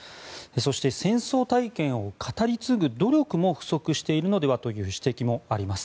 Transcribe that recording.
そして戦争体験を語り継ぐ努力も不足しているのではという指摘もあります。